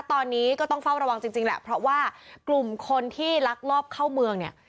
ตอนนี้ก็ต้องเฝ้าระวังจริงแหละเพราะว่ากลุ่มคนที่ลักลอบเข้าเมืองเนี่ย